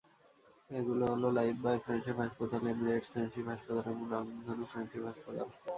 এগুলো হলো Lifebuoy friendship হাসপাতাল, এমিরেটস ফ্রেন্ডশিপ হাসপাতাল এবং রংধনু ফ্রেন্ডশিপ হাসপাতাল।